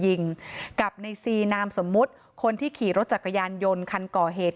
ยิงกับในซีนามสมมุติคนที่ขี่รถจักรยานยนต์คันก่อเหตุ